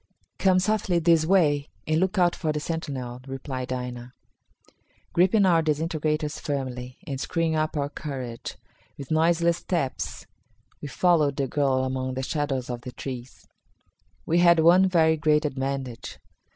"Come softly this way, and look out for the sentinel," replied Aina. Gripping our disintegrators firmly, and screwing up our courage, with noiseless steps we followed the girl among the shadows of the trees. We had one very great advantage.